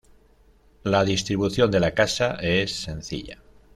La distribución de la casa es sencilla.